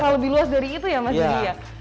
kerasa lebih luas dari itu ya mas didi